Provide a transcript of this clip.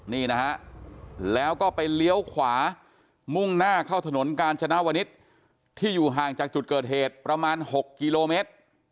นี่นะฮะแล้วก็ไปเลี้ยวขวามุ่งหน้าเข้าถนนกาญจนาวนิษฐ์ที่อยู่ห่างจากจุดเกิดเหตุประมาณ๖กิโลเมตร